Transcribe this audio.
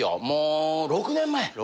もう６年前。